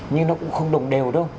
nhưng nó cũng không đồng đều đâu